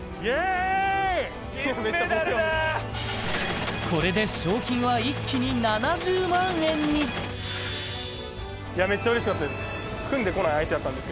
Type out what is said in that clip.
金メダルだこれで賞金は一気に７０万円にめっちゃ嬉しかったです